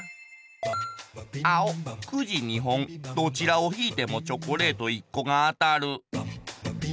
あおくじ２本どちらをひいてもチョコレート１個があたる。